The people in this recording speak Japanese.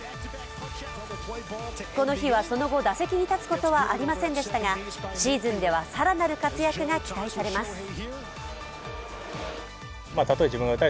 この日はその後、打席に立つことはありませんでしたがシーズンでは、更なる活躍が期待されます。